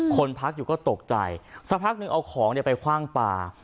คนพักอยู่ก็ตกใจสักพักหนึ่งเอาของไปคว่างปลา